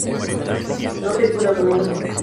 No circula domingos y festivos.